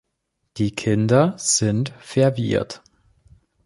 Die Kinder sind verwirrt.